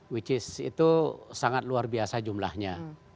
which is itu sangat luar biasa jumlahnya